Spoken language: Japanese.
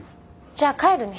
じゃあ帰るね。